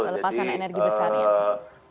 jadi pelepasan energi besar ya